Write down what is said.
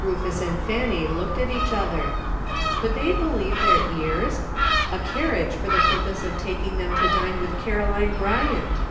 Rufus and Fanny looked at each other. Could they believe their ears? A carriage for the purpose of taking them to dine with Caro line Bryant